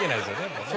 もうね。